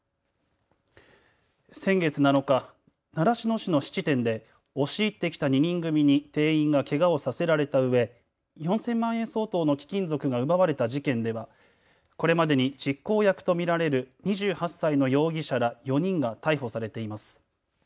先月７日、習志野市の質店で押し入ってきた２人組に店員がけがをさせられたうえ４０００万円相当の貴金属が奪われた事件ではこれまでに実行役と見られる２８歳の容疑者ら４人が逮捕されています。